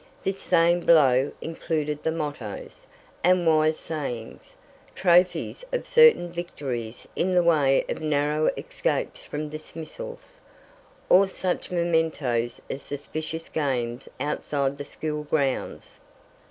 This same blow included the mottoes, and wise sayings; trophies of certain victories in the way of narrow escapes from dismissals, or such mementos as suspicious games outside the school grounds.